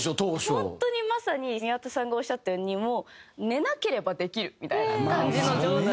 本当にまさに宮田さんがおっしゃったように寝なければできる！みたいな感じの状態になって。